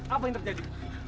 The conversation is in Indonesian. apa yang terjadi